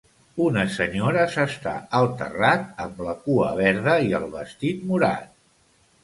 Una senyora s'està al terrat amb la cua verda i el vestit morat.